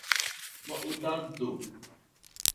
maudad tu